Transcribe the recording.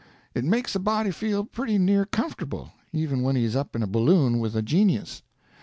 It makes a body feel pretty near comfortable, even when he is up in a balloon with a genius.